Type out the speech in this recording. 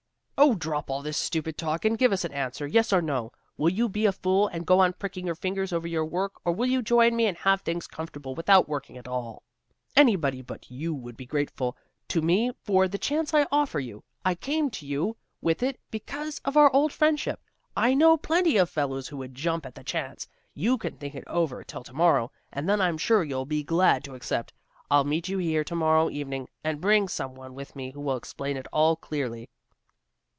"Oh drop all this stupid talk and give us an answer; yes or no. Will you be a fool and go on pricking your fingers over your work, or will you join me and have things comfortable without working at all? Anybody but you would be grateful to me for the chance I offer you. I came to you with it because of our old friendship. I know plenty of fellows who would jump at the chance. You can think it over till tomorrow, and then I'm sure you'll be glad to accept. I'll meet you here to morrow evening, and bring some one with me who will explain it all clearly."